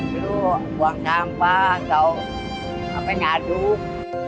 dulu buang sampah atau ngaduk